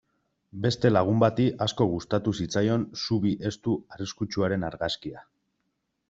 Beste lagun bati asko gustatu zitzaion zubi estu arriskutsuaren argazkia.